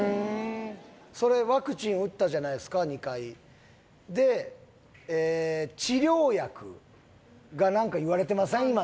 それワクチン打ったじゃないっすか２回で治療薬が何か言われてません？